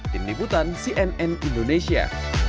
tim liputan cnn indonesia